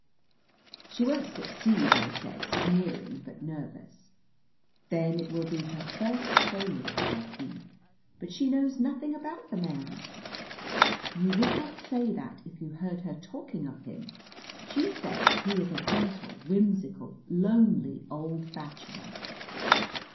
"She won't succeed," I said, sneering but nervous. "Then it will be her first failure," said he. "But she knows nothing about the man." "You would not say that if you heard her talking of him. She says he is a gentle, whimsical, lonely old bachelor."